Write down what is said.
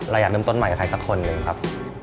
อยากเริ่มต้นใหม่กับใครสักคนหนึ่งครับ